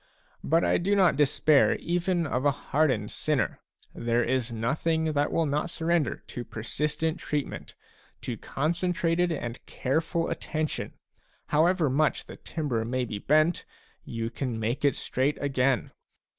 But I do not despair even of a hardened sinner. There is nothing that will not surrender to persistent treatment, to concentrated and careful attention ; however much the timber may be bent, you can make it straight again.